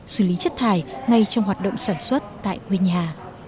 xử lý chất thải ngay trong hoạt động sản xuất tại quê nhà